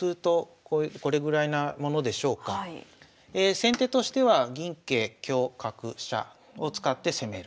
先手としては銀桂香角飛車を使って攻める。